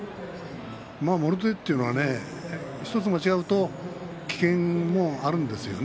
もろ手というのはね１つ間違うと危険もあるんですよね。